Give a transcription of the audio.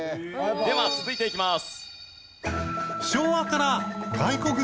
では続いていきます。